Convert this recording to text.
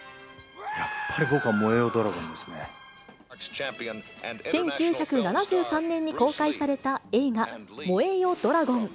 やっぱり僕は、燃えよドラゴ１９７３年に公開された映画、燃えよドラゴン。